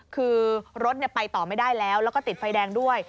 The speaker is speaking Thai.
คือรถไปต่อไม่ได้แล้วแล้วก็ติดไฟแดงด้วย